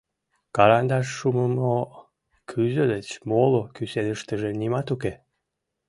Карандаш шумымо кӱзӧ деч моло кӱсеныштыже нимат уке.